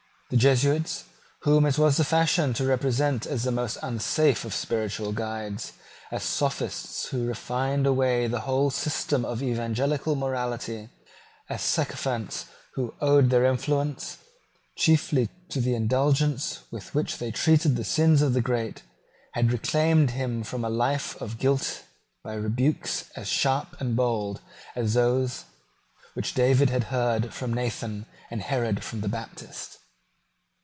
The Jesuits, whom it was the fashion to represent as the most unsafe of spiritual guides, as sophists who refined away the whole system of evangelical morality, as sycophants who owed their influence chiefly to the indulgence with which they treated the sins of the great, had reclaimed him from a life of guilt by rebukes as sharp and bold as those which David had heard from Nathan and Herod from the Baptist.